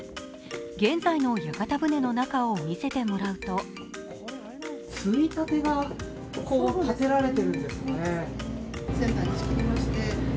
現在の屋形船の中を見せてもらうとついたてが立てられているんですね。